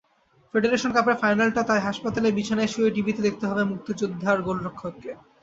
Federation কাপের ফাইনালটা তাই হাসপাতালের বিছানায় শুয়েই টিভিতে দেখতে হবে মুক্তিযোদ্ধার গোলরক্ষককে।